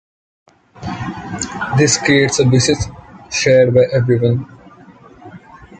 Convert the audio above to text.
This creates a basis shared by everyone.